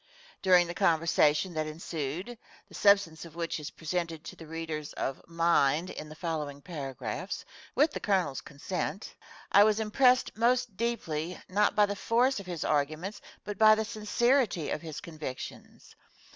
During the conversation that ensued (the substance of which is presented to the readers of Mind in the following paragraphs, with the Colonel's consent) I was impressed most deeply, not by the force of his arguments, but by the sincerity of his convictions.